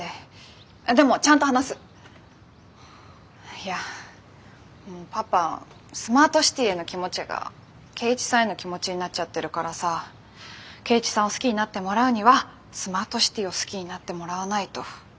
いやパパスマートシティへの気持ちが圭一さんへの気持ちになっちゃってるからさ圭一さんを好きになってもらうにはスマートシティを好きになってもらわないと。